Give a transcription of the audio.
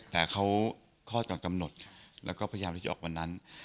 แต่เขาคลอดก่อนกำหนดแล้วก็พยายามที่จะออกวันนั้น